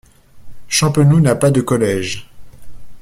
Champenoux n'a pas de collège.